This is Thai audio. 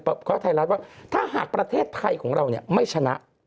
เพราะไทยรัฐว่าถ้าหากประเทศไทยของเราเนี่ยไม่ชนะ